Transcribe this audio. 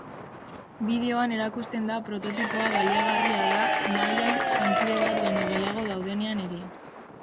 Bideoan erakusten da prototipoa baliagarria da mahaian jankide bat baino gehiago daudenean ere.